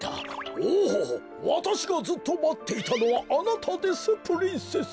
おおわたしがずっとまっていたのはあなたですプリンセス。